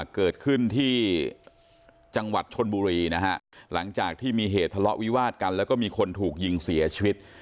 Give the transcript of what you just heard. เกิดขึ้นที่จังหวัดชนบุรีนะฮะหลังจากที่มีเหตุทะเลาะวิวาดกันแล้วก็มีคนถูกยิงเสียชีวิต